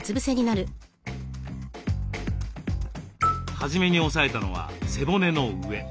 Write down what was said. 初めに押さえたのは背骨の上。